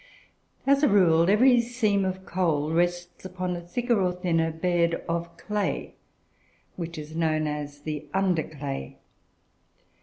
As a rule, every seam of coal rests upon a thicker, or thinner, bed of clay, which is known as "under clay."